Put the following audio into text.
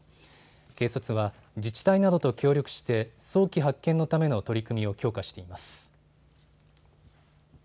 警察は自治体などと協力して早期発見のための取り組みを強化しています。